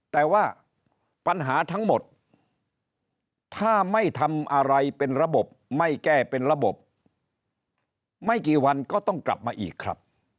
แต่ว่าปัญหาทั้งหมดถ้าไม่ทำอะไรเป็นระบบไม่แก้เป็นระบบไม่กี่วันก็ต้องกลับมาอีกครับ